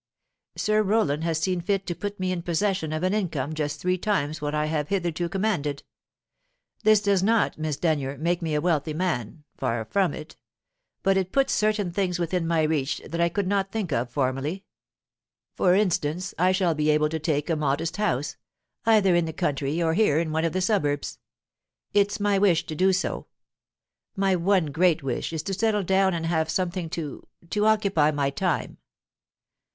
Sir Roland has seen fit to put me in possession of an income just three times what I have hitherto commanded. This does not, Miss Denyer, make me a wealthy man; far from it. But it puts certain things within my reach that I could not think of formerly. For instance, I shall be able to take a modest house, either in the country, or here in one of the suburbs. It's my wish to do so. My one great wish is to settle down and have something to to occupy my time."